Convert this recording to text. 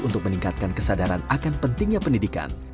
untuk diskok hanya untuk pengeluaran di lemon